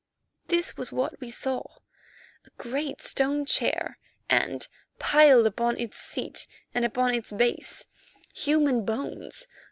This was what we saw: A great stone chair and, piled upon its seat and upon its base, human bones.